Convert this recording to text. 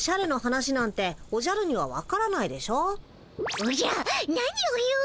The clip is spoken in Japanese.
おじゃ何を言う！